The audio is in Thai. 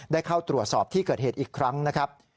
ได้เข้าตรวจสอบที่เกิดเหตุอีกครั้งนะครับ